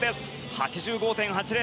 ８５．８０。